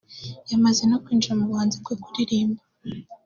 yamaze no kwinjira mu buhanzi bwo kuririmba